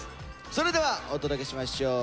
それではお届けしましょう。